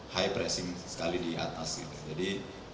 high pressing sekali di atas gitu jadi